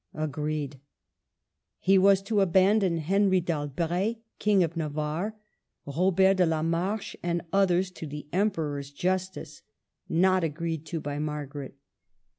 Agreed. He was to abandon Henry d'Albret, King of Navarre, Robert de la Marche, and others, to the Emperor's justice. Not agreed to by Margaret.